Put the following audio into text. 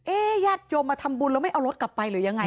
ญาติโยมมาทำบุญแล้วไม่เอารถกลับไปหรือยังไง